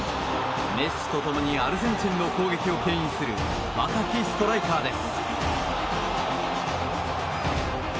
メッシと共にアルゼンチンの攻撃を牽引する若きストライカーです。